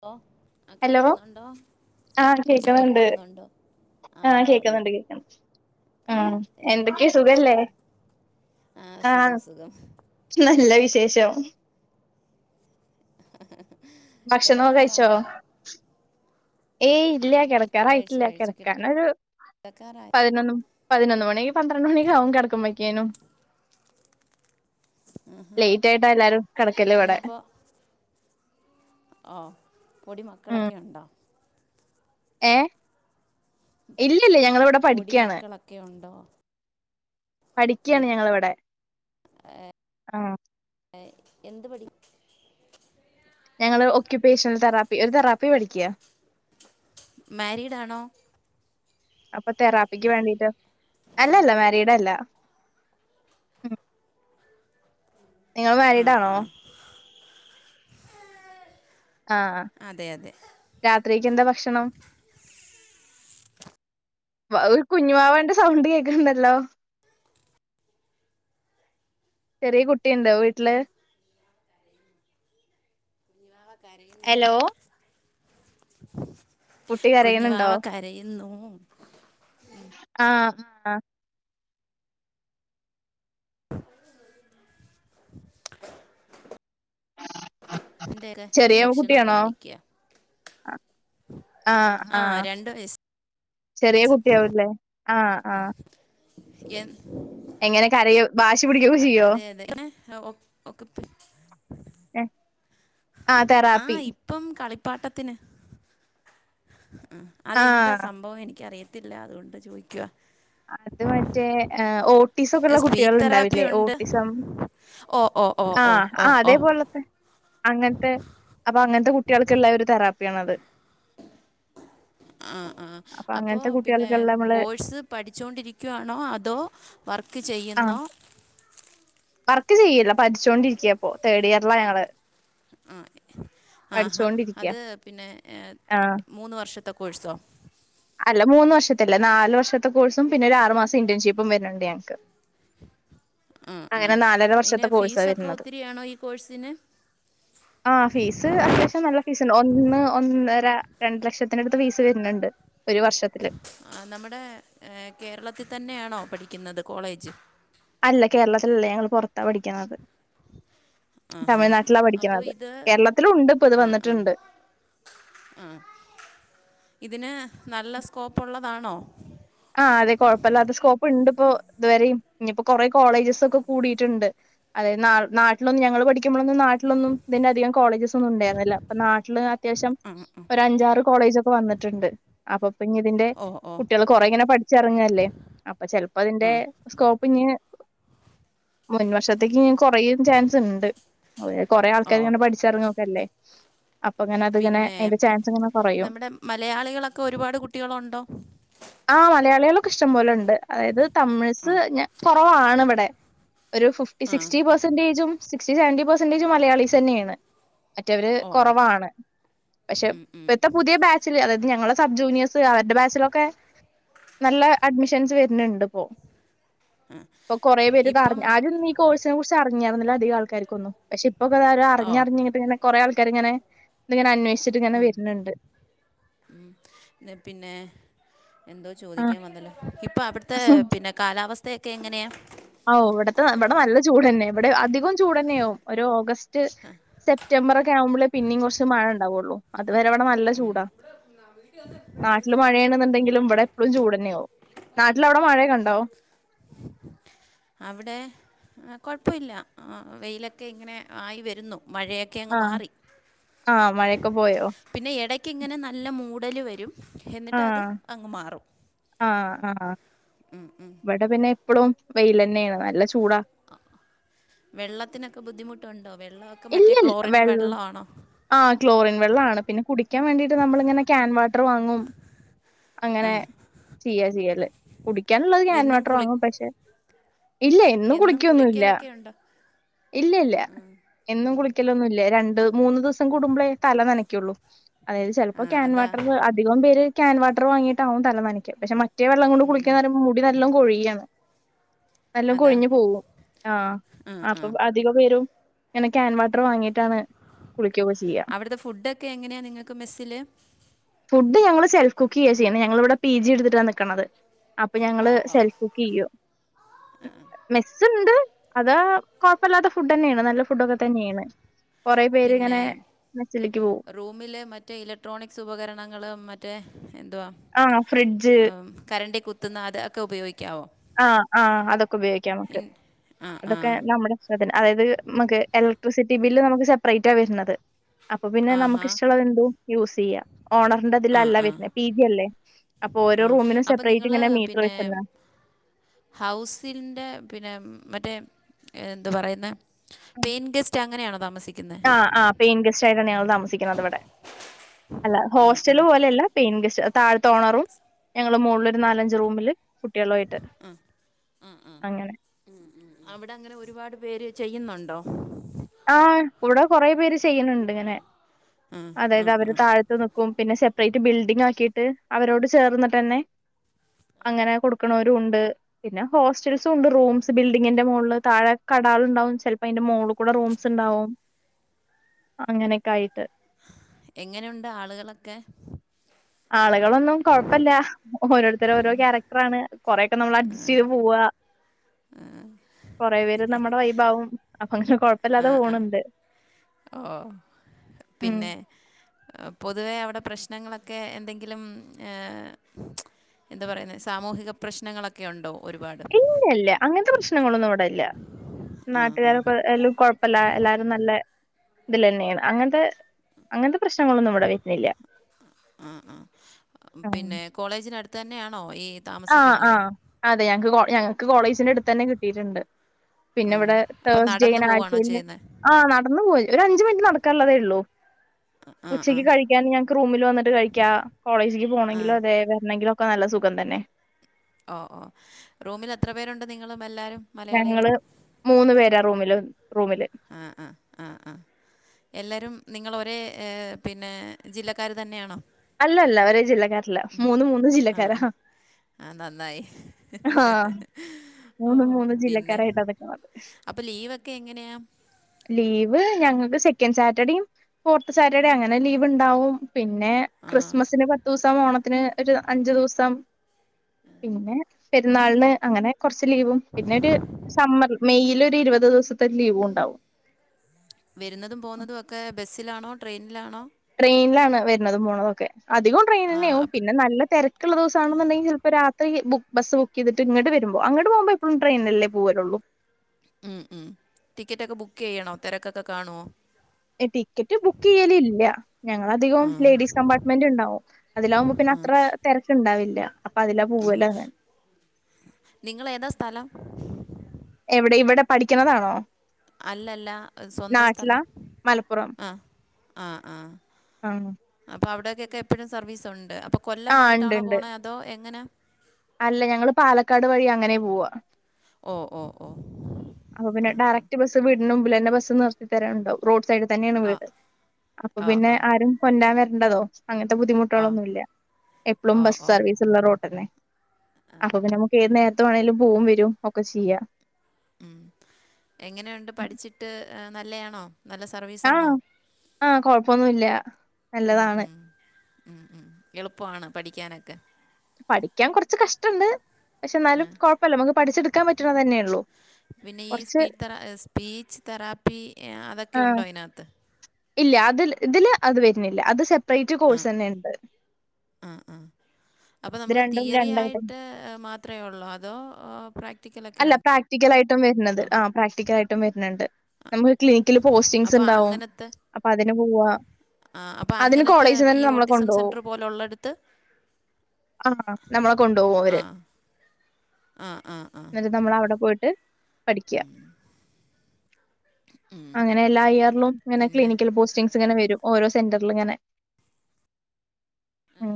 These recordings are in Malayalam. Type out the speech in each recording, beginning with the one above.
ഹലോ ആ ഹലോ കേൾക്കുന്നുണ്ടോ കേൾക്കുന്നുണ്ടോ ആ ആഹ പറഞ്ഞോ കേക്കുന്നുണ്ട് കേക്കുന്നു ആ എന്തുണ്ട് എന്തൊക്കെയാ സുഖല്ലേ വിശേഷം ആ ആഹ സുഖം സുഖം നല്ല വിശേഷം ഭക്ഷണമ കഴിച്ചോ കിടക്കാറായോ ഏയ് ഇല്ല കഴിച്ചു കിടക്കാറിയിട്ടില്ല കഴിച്ചു കെടക്കാൻ ഒരു കിടക്കാറായി പതിനൊന്ന് പതിനൊന്ന് മണി പന്ത്രണ്ട് മണിയൊക്കാവും കെടക്കുമ്പോക്കേനും ലേയ്റ്റായിട്ടാ എല്ലാരും കടക്കല് ഇവടെ ഇനിയിപ്പോൾ ഓ പൊടിമക്കളൊക്കെയൊണ്ടോ ഏ ഇല്ലല്ല ഞങ്ങള് ഇവടെ പൊടി പഠിക്കയാണ് മക്കളൊക്കെ ഉണ്ടോ ആ പഠിക്യാണ് ഞങ്ങള് വെടെ ആ എന്ത് പടി ഞങ്ങള് ഓക്യുപേഷണൽ തെറാപ്പി ഒരു തെറാപ്പി പഠിക്യാ മാരീഡാണോ അപ്പൊ തെറാപ്പിക്ക് വേണ്ടീട്ട് അല്ലല്ല മാരീഡല്ല [inaudible] നിങ്ങള് മാരിടാണോ ആ അതെ അതെ രാത്രിയേക്ക് എന്താ ഭക്ഷണം ഒരു കുഞ്ഞുവാവന്റെ സൗണ്ട് കേക്ക്ണ്ടല്ലോ ചെറിയ കുട്ടിഇണ്ടോ വീട്ടില് കുഞ്ഞുവാവ കരയുന്നു ഹലോ കുട്ടി കരയുന്നുണ്ടോ കുഞ്ഞുവാവ കരയുന്നു ആ ആ എന്തെരാ ലക്ഷണം കാണിക്യാ ആ ആ രണ്ട് വയസ്സ് ചെറിയ കുട്ടിയാവൂല്ലേ ആ ആ എൻ എങ്ങനെ കരയോ വാശി പിടിക്കൊക്കെ ചെയ്യോ ഓ ഓക്ക് [unintelligible] ആ തെറാപ്പി ഇപ്പം കളിപ്പാട്ടത്തിന് ആ അതെന്താ ആഹ് സംഭവം എനിക്കറിയത്തില്ല അതുകൊണ്ട് ചോയിക്കുവാ അത് മറ്റേ ഓട്ടീസൊക്കെള്ള കുട്ടികൾ സ്പീച്ച് തെറാപ്പി ഉണ്ടാവില്ലേ ഉണ്ട് ഓട്ടിസം ഓ ഓ ഓ ആ ഓ ഓ ആ ഓ അതേപോലത്തെ അങ്ങൻത്തെ അപ്പൊ അങ്ങൻത്തെ കുട്ടികൾക്കള്ള ഒരു തറാപ് പിയാണത് ആ ആ അപ്പോ പിന്നെ കുട്ടികൾക്കെല്ലാം നമ്മള് കോഴ്സ് പഠിച്ചോണ്ടിരിക്കുവാണോ അതോ വർക്ക് വർക്ക് ആഹ് ചെയ്യുന്നോ വർക്ക് ചെയ്യില്ല പഠിച്ചുകോണ്ടിരിക്യപ്പം തേർഡിയർലാ ഞങ്ങള് ആ ആ ആ പഠിച്ചോണ്ടിരിക്ക്യാ അത് പിന്നെ ആഹ് മൂന്ന് വർഷ വർഷത്തെ ക്കോഴ്സോ അല്ല മൂന്ന് വർഷത്തല്ല നാല് വർഷത്തെ കോഴ്സും പിന്നെ ഒരു ആറു മാസം ഇന്റേൺഷിപ്പും വര്ണ് ണ്ട് ഞങ്ങക്ക് [inaudible] ആ ആ അങ്ങനെ നാലര അയിന് വർഷത്തെ ഫീസൊക്കെ ഒത്തിരിയാണോ ഈ കോഴ്സിന് ആ ഫീസ് അത്യാവശ്യം നല്ല ഫീസ്ണ്ടാവും ഒന്ന് ഒന്നര രണ്ട് ലക്ഷത്തിനടുത്ത് ഫീസ് വരുന്നുണ്ട് ഒരു വർഷത്തില് ആ നമ്മുടെ കേരളത്തിൽ തന്നെയാണോ പഠിക്കുന്നത് കോളേജ് അല്ല കേരളത്തിലല്ല ഞങ്ങള് പൊർത്താ പഠിക്ക്ണത് ആ ഹാ തമിഴ്നാട്ടിലാ അപ്പോൾ പഠിക്ക്ണത് ഇത് കേരളത്തിലും ഉണ്ട് ഇപ്പൊ ഇത് വന്ന്ട്ട്ണ്ട് ആ ഇതിന് നല്ല സ്കോപ്പ് ഉള്ളതാണോ ആ അതെ കൊഴപ്പല്ലാത്ത സ്കോപ്പ് ഇണ്ട് ഇപ്പോ ഇതുവരിം ഇഞ്പ്പോ കൊറേ കോളേജസൊക്കെ കൂടീട്ട്ണ്ട് അതായത് നാട്ടിലൊന്ന് ഞങ്ങള് പഠിക്കുമ്പോളൊന്ന് നാട്ടിലൊന്നും ഇതിന്റെ അധികം കോളേജസൊന്നും ഉണ്ടായിരുന്നില്ല ഇപ്പം നാട്ടില് അത്യാവശ്യം ഒരു അഞ്ചാറ് കോളേജൊക് വന്നിട്ട്ണ്ട് അപ്പൊ പിന്നിതിൻ്റെ ഓ ഓ കുട്ടികള് കൊറേ ഇങ്ങനെ പഠിച്ചെറങ്ങല്ലേ അപ്പൊ ചെലപ്പോ അതിന്റെ ആ സ്കോപ്പ് ഞ് മൻമാഷത്ത ക കുറയും ചാൻസ് ഉണ്ട് കൊറെ ഓ ഓ. ആൾക്കാാര് ഇങ്ങനെ പഠിച്ചറങ്ങ നക്കല്ലേ പിന്നെ കൊറയും. നമ്മുടെ മലയാളികളൊക്കെ ഒരുപാട് കുട്ടികളുണ്ടോ ആഹ് മലയാളികളൊക്കെ ഇഷ്ടംപോലെ ഉണ്ട് അതായത് തമിഴ്സ് കുറവാണ് ഇവിടെ ഒരു ഫിഫ്റ്റി ആ സിക്സ്റ്റി പെർസെന്റേജും സിക്സ്ി സെവന്റി പെർസന്റേജ് മലയാളീസ് തന്നെയാണ് മറ്റവര് ഓ കുറവാണ് പക്ഷെ ഇപ്പത്തെ പുതിയ ബാച്ചില് അതായത് ഞങ്ങള സബ് ജൂനിയേഴസ് അവരുടെ ബാച്ചിലൊക്കെ നല്ല അഡ്മിഷൻസ് വരുന്നുണ്ട് ഇപ്പോൊ അപ്പൊ കൊറേ പേര് ഇത് ഇപ്പം അറിഞ് ആര നീ കോഴ്സിനെ കുറിച്ച് അറിഞ്ഞരുന്നില്ല അധികംൾക്കർക്കൊന്ന പക്ഷെപ്പൊക്കെത ഓ അറിഞ്ഞറിഞ്ഞ്ഞിട്ട് ഇങ്ങെ കുറെ ആൾക്കാര് ഇങ്ങനെ ഇതിങ്ങനെ അന്വേഷിച്ചിട്ട് ഇങ്ങനെ ഉം വരുന്നുണ്ട് ഉ പിന്നെ എന്തോ ആ ചോദിക്കാൻ വന്നല്ലോ ഇപ്പൊ അവിടുത്തെ പിന്നെ കാലാവസ്ഥയൊക്കെ എങ്ങനെയാ ആ ഇവിടത്തെ ഇവിടെ നല്ല ചൂട് തന്നെ ഇവിടെ അധികം ചൂട്ന്നെയ ആവും ഒരു ഓഗസ്റ്റ് മ സെപ്റ്റംബർ ഒക്കെ ആവുമ്പോേ പിന്നേും കുറച്ച് മഴ ഉണ്ടാവുള്ളു ഇതുവരെവിടെ നല്ല ചൂടാ നാട്ടില് മഴയാണെന്നുണ്ടെങ്കിലും ഇവിടെ എപ്പോഴും ചൂട് തന്നെകവും നാട്ടില അവിടെ മഴയ കണ്ടാവോ അവിടെ കുഴപ്പമില്ല വെയിലൊക്കെ ഇങ്ങനെ ആയി വരുന്നു മഴയൊക്കെ അങ്ങ് ആഹ് മാറി ആഹ് മഴയൊക്കെ പോയോ പിന്നെ ഇടക്ക് ഇങ്ങനെ നല്ല മൂ കടൽ വരും എന്നിട്ട് അത് ആഹ് അങ്ങ് മാറും ആഹ് ഉ ഉ എപ്പഴും വെയിൽ തന്നെയാണ് നല്ല ചൂടാ വെള്ളത്തിനൊക്കെ ബുദ്ധിമുട്ടുണ്ടോ വെള്ളമൊക്കെ മറ്റേ ക്ലോറിൻ വെള്ള ആണോ ആ ക്ലോറിൻ വെള്ളംണ് പിന്നെ കുടിക്കാൻ വേണ്ടീട്ട് നമ്മളിങ്ങനെ കാക്യാൻ വാട്ടർ വാങ്ങും അങ്ങനെ ചെയ്യാ ചെയ്യല്ലേ കുടിക്കാനുള്ളത് ഞാൻ എന്നും ഇൻവർട്ടർ കുളി വാങ്ങും പക്ഷെ ഇല്ല എന്നും കുളിക്കൊന്നുംല്ല കുളിക്കലൊക്കെ ഉണ്ടോ ഇല്ല ഇല്ല ന്നും കുളിക്കലൊന്നുമില്ലേ രണ്ട് മൂന്ന്ു ദിവസം കൂടുമ്പോളേ തല നനക്കുള്ളു അതായത് ആ ചിലപ്പോൾ ക്യാൻ അതാ വട്ടർ അധികം പേര് കാക്യാൻവാട്ടർ വാങ്ങയിട്ടാാവും തലമനയ്ക്ക് പക്ഷെ ഒറ്റേ വെള്ളം കൊണ്ട് കുളിക്കാ മുടി നല്ലണം കൊഴുകയാണ് എല്ലാം അതാ കൊഴിഞ്ഞു പോകവും ആഹ ആ ആ അപ്പൊ അധിക പേരും എനെ ആൻ വാട്ടർ വാങ്ങിയിട്ടാണ് കുളിക്കൊക്കെ ചെയ്യാ അവിടുത്തെ ഫുഡൊക്കെ എങ്ങനെയാണ് നിങ്ങള്ക്ക് മെസ്സില് ഫുഡ് ഞങ്ങള് സെൽഫ് കുക്കി ചെയ്യാ ചെയ്യേ ഞങ്ങള ഇവിടെ പി ജി എടുത്തിട്ടാണ് നിിക്കക്കുന്നത് അപ്പൊ ആ ഞങ്ങള് ആ സെൽഫ് കുക്ക് ചെയ്യോ മെസ്സുണ്ട് അത് കുഴപ്പല്ലാത്ത ഫുഡ് തന്നെയാണ് നല്ല ഫുഡൊക്കെ തന്നെയാണ് കൊറെേ പേര് ഇങ്ങനെ പോവും റൂമിലെ മറ്റേ ഇലക്ട്രോണിക്സ് ഉപകരണങ്ങളും മറ്റേ എന്തുവാ ആഹ് ഫ്രിഡ്ജ് കരണ്ട കുത്തുന്ന അതൊക്കെ ഉപയോഗിക്കും ആഹ ആഹ അതൊക്കെ ഉപയോഗിക്കാം നമുക്ക് ഇൻ ആ ആ അതൊക്കെ നമ്മുടെ അതായത് നമക്ക് എലക്ട്രിസിറ്റി ബില്ല് നമുക്ക് സെപ്പറേറ്റ ആ വരുന്നത് അപ്പൊ പിന്നെ നമുക്ക് ആഹാ ഇഷ്ടമുള്ളത് എന്തോ യൂസ് ചെയ്യാം ഓണറിൻന്റെ അതില ആ അല്ല ആ വരുന്ന പി ജി അല്ലേ അപ്പൊ ഓരോ ആ റൂമിനും സെപ്പറേറ്റ് ഇങ്ങനെ മീറ്റർ വെച്ചല്ല ഹൗസിന്റെ പിന്നെ മറ്റേ എന്താ പറയുന്ന പെയിൻ ഗെസ്റ്റ് അങ്ങനെയ ആ ആ പെയിൻ ഗസ്റ്റ് ആയിട്ടാണ് ഞങ്ങൾ താമസിക്കുന്നത് ഇവിടെ അല്ല ഹോസ്റ്റല് പോലെയല്ല പെയിൻ ഗസ് താഴത്ത ഓണറും ഞങ്ങള്ൾ മുകളിൽ ഒരു നാലഞ്ചച് റൂമില് കുട്ടികളുമായിട്ട് ആ ആ ആ അങ്ങനെ ഉ ഉ അവിടെ അങ്ങനെ ഒരുപാട് പേര് ചെയ്യുന്നുണ്ടോ ആഹ കൂടെ കൊറെ പേര് ചെയ്യണണ്ട് ഇങ്ങനെ അതായത് അവര് താഴത്ത് നക്കും പിന്നെെ അേറ്റ് ബിൽഡിങ് ആക്കിയിട്ട് അവരോട് ചേർന്നിട്ട്ന്നെ അങ്ങനെ കൊടുക്കണവരു ഉണ്ട് പിന്നെ ഹോസ്റ്റൽസ ഉണ്ട് റൂംസ് ബിൽഡിങ്ങിന്റെ മുകളില് താഴെ ട ഉണ്ടാവും ചിലപ്പോ അതിന്റെ മോളിൽ കൂടെ റൂംസ് ഉണ്ടാവും അങ്ങനെയൊക്കെ ആയിട്ട് എങ്ങനെയുണ്ട് ആളുകളൊക്കെ ആളെ ളൊന്നും കുഴപ്പമല്ല ഓരോരുത്തര ഓരോ ക്യാരക്ടർ ആണ് കുറെൊക്കെ നമ്മൾ അഡ്ജസ്റ്റ് ചെയ്ത് പോവുക കൊറ പേര് നമ്മുടെ വൈഭാവും ആഹ ഓ ഉം പിന്നെ പൊതുവേ അവിടെ പ്രശ്നങ്ങളൊക്കെ എന്തെങ്കിലും ഏ എന്താ പറയുന്ന സാമൂഹിക പ്രശ്നങ്ങളൊക്കെ ഉണ്ടോ ഒരുപാട് ഇല്ലല്ല അങ്ങനത്തെ പ്രശ്നങ്ങളൊന്നും ഇവിടെല്ല ആ ആ നാട്ടുകാരക്ക എ കൊഴപ്പല്ല എല്ലാരും നല്ല ഇതിലെന്നൊണ് അങ്ങനത്തെ അങ്ങനത്തെ പ്രശ്നങ്ങളൊന്നും ഇവിടെ വരുന്നില്ല അ അ ഉം. പിന്നെ കോളേജിനടുത്ത് തന്നെയാണോ ഈ ആ അ താമസിക്കുന്നത് അതെ ഞങ്ങക്ക് ഞങ്ങക്ക് കോളേജിന്റെ അടുത്ത് തന്നെ കിട്ടിയിട്ടുണ്ട് പിന്നെ ഇവിടെ അപ്പം തേഴ്സ് നടന്നു ജെയിന പോവുകയാണോ ആഴ്ചയിൽ ചെയ്യുന്നത് ആ നടന്നു പോയി ഒരു അഞ്ചു മിനിറ്റ് നടക്കാനുള്ളതേ ഉള്ളൂ ആ ആ ഉച്ചയ്ക്ക് കഴിക്കാൻ ഞങ്ങക്ക് റൂമിൽ വന്നിട്ട് കഴിക്കാം കോളേജ്ക്ക് ആ പോണെങ്കിലും അതെ വരണെങ്കിലും ഒക്കെ നല്ല സുഖം തന്നെ ഓ ഓ റൂമിൽ എത്ര പേരുണ്ട് നിങ്ങൾ ഞങ്ങള് മൂന്ന് പേരാ റൂമില് റൂമില് ആഹ ആഹ എല്ലാരും നിങ്ങൾ ഒരേ ഏ പിന്നെ ജില്ലക്കാർ തന്നെയാണോ അല്ല അല്ല ഒരോ ജില്ലക്കാരല്ല മൂന്ന് മൂന്ന് ആ ജില്ലക്കാരാ ആ നന്നായി ആഹ് ഓ മൂന്ന് മൂന്ന് പിന്നെ ജില്ലക്കാരായിട്ടാ നിക്കുന്നത് അപ്പൊ ലീവ് ഒക്കെ എങ്ങനെയ ലീവ് ഞങ്ങൾക്ക് സെക്കൻഡ് സാറ്റർഡേയും ഫോർത്ത് സാറ്റർഡേ അങ്ങനെ ലീവ് ഇണ്ടാവും പിന്നെ ക്രിസ്മസിന് പത്ത് ദിവസം ഓണത്തിന് ഒരു അഞ്ചു ദിവസം പിന്നെ പെരുന്നാളിന് അങ്ങനെ കുറച്ച് ലീവും പിന്നെ ഒരു സമ്മർ മെയിൽ ഒരു ഇരുപത് ദിവസം വരുന്നതും പോകുന്നതും ഒക്കെ ബസ്സിലാണോ ട്രെയിനിലാണോ ട്രെയിനിലാണ് വരുന്നത് പോണ തെക്കെ അധികം ആ ട്രെയിനന്നെയവും അപ്പ- പിന്നെ നല്ല തിരക്കുള്ള ദിവസണെന്നുണ്ടെങ്കിൽ ചിലപ്പോ രാത് ബസ് ബുക്ക് ചെയ്തിട്ട് ഇങ്ങട്ട് വരുമ്പോ അങ്ങോട്ട് പോകുമ്പോ ഇപ്പോഴുംട്രെനല്ലേ പോകലുള്ളൂ ഉം ഉം ടിക്കറ്റ് ഒക്കെ ബുക്ക് ചെയ്യണോ തിരക്കൊക്കെ കാണുവോ ടിക്കറ്റ് ബുക്ക് ചെയ്യല ഇല്ല ഞങ്ങളധികം ലേഡീസ് കമ്പാർട്ട്മെന്റ് ഉണ്ടാവും അതിലാവകുമ്പോ പിന്നെ അത്ര തിരക്കുണ്ടാവില്ല അപ്പൊ അതിലാ പോവല് അങ്ങനെ നിങ്ങൾഏതാ സ്ഥലം ഇവിടെ ഇവിടെ പഠിക്കണതാണോ അല്ലല്ല സ്വന്തം നാട്ടിലാ സ്ഥലം അ ആ ആ അണോ അവിടേക്കൊക്കെ എപ്പോഴും സർവീ ഉണ്ട് അപ്പോൾ കൊല്ലം ആ ഇണ്ട് വന്നിട്ടാണോ ഇണ്ട് പോണത് അതോ എങ്ങനെ അല്ല ഞങ്ങള് പാലക്കാട് വഴി അങ്ങനെ പോവാ ഓ ഓ ഓ വരുന്ന ബസ് നിർത്തിത്തണ്ടോ റോഡ് സൈഡ് തന്നെയാണ് വീട് അപ്പോ ഓ! പിന്നെ ഓ! ആരും കൊ ഉള്ളതോ അങ്ങനത്തെ ഓ! ബുദ്ധിമുട്ടുകളൊന്നുമില്ല എപ്പളും ഓ! ബസ് ഓ! സർവീസ് ഉള്ള റോഡ് തന്നെ അപ്പൊ പിന്നെ നമുക്ക് ഏത് നേരത്ത വേണേങ്കിലും പോവും വരും ഒക്കെ ചെയ്യാം ഉം എങ്ങനെയുണ്ട് പഠിച്ചിട്ട് നല്ലയാണോ നല്ല ആഹ ആഹ കുഴപ്പൊന്ന ഉ ഉം ഉ ഉ എളുപ്പമാണ് പഠിക്കാനൊക്കെ പഠിക്കാൻ കുറച്ച് കഷ്ടുണ്ട് പക്ഷെ എന്നാലും കുഴപ്പല്ല നമുക്ക് പഠിച്ചെടുക്കാൻ പറ്റണ തന്നെയള്ളു പിന്നെ ഈ സ്പീച്ച് തെറാപ്പി അതൊക്കെ ആഹ് ഉണ്ടോ അതിനകത്ത് ഇല്ല അതി ഇതില് അത് വരുന്നില്ല അത് സെ േറ്റ് കോഴ്സ് തന്നെ ഉണ്ട് അപ്പൾ ഇത് നമുക്ക് രണ്ടും തിയറി രണ്ടായിട്ടും ആയിട്ട് മാത്രമേ ഉള്ളൂ അതോ പ്രാക് അല്ല പ്രാക്ടിക്കല ആായിട്ടും വരുന്നത് ആ പ്രാക്ടിക്കല ആായിട്ടും വരുന്നുണ്ട് നമുക്ക് ക്ലിനിക്കില് പോസ്റ്റിങ്സ് അപ്പൊ ഉണ്ടാവും അങ്ങനത്തെ അപ്പൊ അതിന് പോവാ ആ അപ്പൊ അങ്ങനത്തെ ഈ ഓട്ടിസം സെന്റർ പോലെ ഉള്ളടുത്ത് ആഹ നമ്മളെ കൊണ്ടുപോകും അവര് ആഹ ആഹ് ആ എന്നിട്ട് നമ്മള അവിടെ പോയിട്ട് പഠിക്കുക ഉം. അങ്ങനെ എല്ലാ ഇയറിലും ഇങ്ങനെ പിന്നെ ക്ലിനിക്കൽ പോസ്റ്റിംഗസ് ഇങ്ങനെ വരും ഓരോ സെന്ററിലും ഇങ്ങനെ ഉ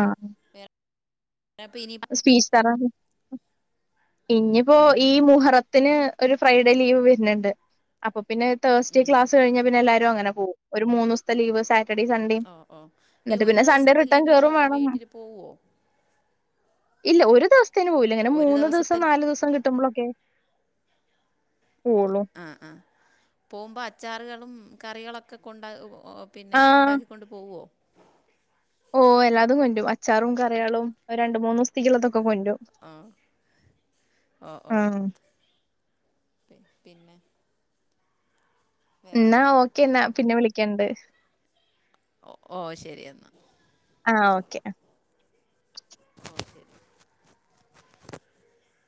ആഹ വേറെ അപ്പൊ ഇനി സ്പീച താരാ ഇനിയിപ്പോൊ ഈ മുഹറത്തിന് ഒരു ഫ്രൈഡേ ലീവ് വരുന്നുണ്ട് അപ്പൊ പിന്നെ തേഴസ് ഡേ ഉം ക്ാസ് കഴിഞ്ഞാ പിന്ന എല്ലാരും അങ്ങെ പോക ഒരു മൂന്ന് ദിവസത്തെ ലീ് ഓ ഓ ഈ ഒരു ദിവസത്തെ റിട്ടേൺ ലീവിന കയറും വേണം വീട്ടില് പോവുവോ ഇല്ല ഒരു ദിവസേന് പോവില്ല ഇങ്ങനെ ഒരു മൂന്ന്ു ദിവസത്തെ ദിവസം നാലല് ദിവസം കിട്ട്പോളൊക്കെ ആഹ് ആഹ പോകുമ്പോ അച്ചാറുകളും കറികളൊക്കെ കൊണ്ട ഓ പിന്നെ ആ ഉണ്ടാക്കിക്കൊണ്ട്ു പോവുമോ ഓ എല്ലാതും കൊണ്ടും അച്ചാറും കറയാളും ഒരു രണ്ടണ്ട് മൂന്ന് ദിവസത്തേുള്ളൊക്കെ ആ ആഓ ഓ ആഹ്. പിന്നെ എന്നാ വേറെന്താ ഓക്കേ എന്നാ പിന്നെ വിളിക്കണ്ട് ഓ ഓ ശരി എന്ന എന്നാ ആഹ ഓക്കെ ഓ ശരി